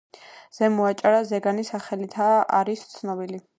ზემო აჭარა „ზეგანის“ სახელითაც არის ცნობილი.